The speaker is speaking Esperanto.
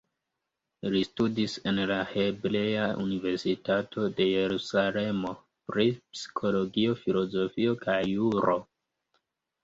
Li studis en la Hebrea Universitato de Jerusalemo pri psikologio, filozofio kaj juro.